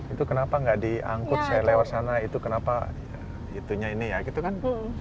itu kenapa nggak diangkut saya lewat sana itu kenapa itunya ini ya gitu kan